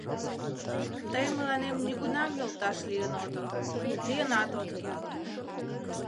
Тый мыланем нигунам йолташ лийын отыл, лийынат от керт.